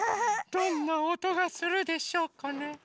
どんなおとがするでしょうかね。